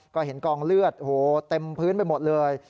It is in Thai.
ก็เห็นกองเลือดโอ้โหเต็มพื้นไปหมดเลย